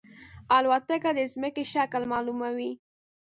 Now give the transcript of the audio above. الوتکه د زمکې شکل معلوموي.